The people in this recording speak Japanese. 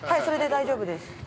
それで大丈夫です。